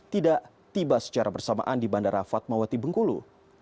tidak tiba secara bersamaan di bandara fatmawati bengkulu